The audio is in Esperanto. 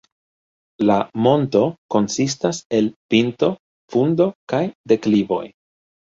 La monto konsistas el pinto, fundo kaj deklivoj.